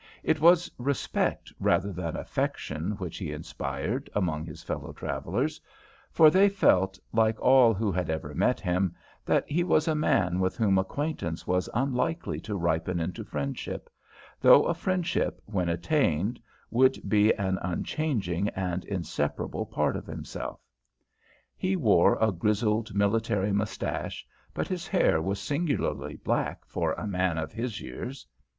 It was respect rather than affection which he inspired among his fellow travellers, for they felt, like all who had ever met him, that he was a man with whom acquaintance was unlikely to ripen into a friendship, though a friendship when once attained would be an unchanging and inseparable part of himself. He wore a grizzled military moustache, but his hair was singularly black for a man of his years.